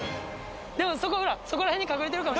でもそこほらそこら辺に隠れてるかも。